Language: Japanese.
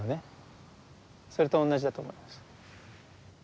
それと同じだと思います。